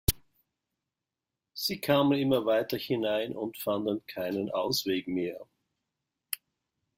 Sie kamen immer weiter hinein und fanden keinen Ausweg mehr.